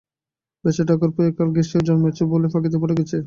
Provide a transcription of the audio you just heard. বেচারা ঠাকুরপো একাল ঘেঁষে জন্মেছে বলেই ফাঁকিতে পড়ে গেছে।